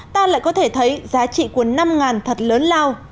ta lại có thể thấy giá trị của năm thật lớn lao